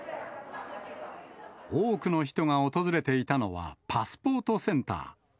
多くの人が訪れていたのは、パスポートセンター。